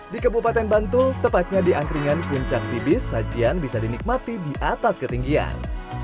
di kebupaten bantul tepatnya di angkringan puncak pibis sajian bisa dinikmati di atas ketinggian